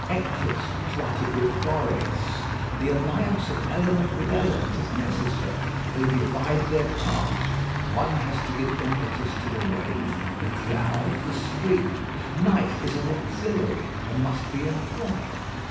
Eolus plotted with Boreas. The alliance of element with element is necessary; they divide their task. One has to give impetus to the wave, the cloud, the stream: night is an auxiliary, and must be employed.